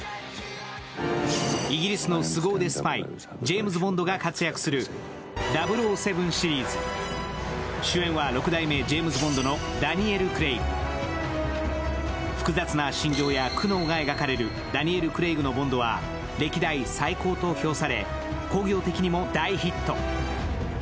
イギリスのすご腕スパイ、ジェームズ・ボンドが活躍する「００７」シリーズ、主演は６代目ジェームズ・ボンドのダニエル・クレイグ複雑な心情や苦悩が描かれるダニエル・クレイグのボンドは歴代最高と評され、興行的にも大ヒット。